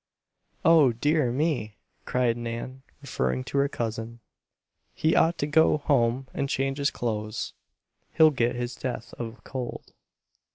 "Oh, dear me!" cried Nan, referring to her cousin, "he ought to go home and change his clothes. He'll get his death of cold."